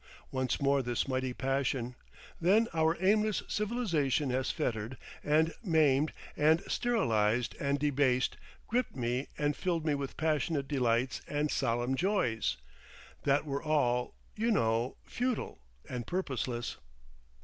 Once more this mighty passion, that our aimless civilisation has fettered and maimed and sterilised and debased, gripped me and filled me with passionate delights and solemn joys—that were all, you know, futile and purposeless.